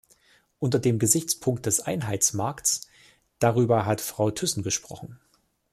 Unter dem Gesichtspunkt des Einheitsmarkts, darüber hat Frau Thyssen gesprochen.